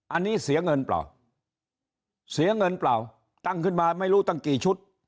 อันนี้เสียเงินเปล่าเสียเงินเปล่าตั้งขึ้นมาไม่รู้ตั้งกี่ชุด